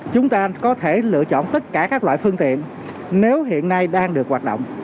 chúng ta có thể lựa chọn tất cả các loại phương tiện nếu hiện nay đang được hoạt động